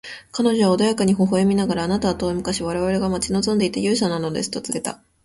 彼女は穏やかに微笑みながら、「あなたは遠い昔、我々が待ち望んでいた勇者なのです」と告げた。